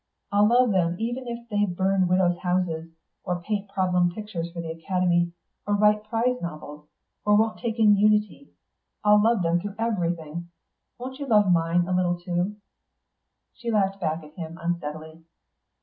I'll love them even if they burn widows' houses, or paint problem pictures for the Academy, or write prize novels, or won't take in Unity. I'll love them through everything. Won't you love mine a little, too?" She laughed back at him, unsteadily.